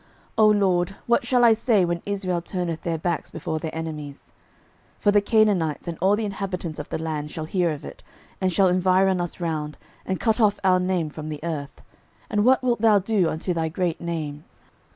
06:007:008 O LORD, what shall I say, when Israel turneth their backs before their enemies! 06:007:009 For the Canaanites and all the inhabitants of the land shall hear of it, and shall environ us round, and cut off our name from the earth: and what wilt thou do unto thy great name?